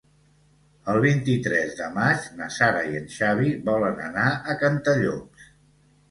El vint-i-tres de maig na Sara i en Xavi volen anar a Cantallops.